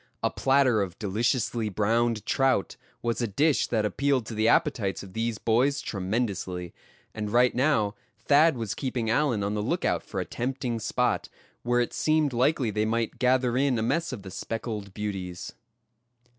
A platter of deliciously browned trout was a dish that appealed to the appetites of these boys tremendously, and right now Thad was keeping Allan on the lookout for a tempting spot, where it seemed likely they might gather in a mess of the speckled beauties.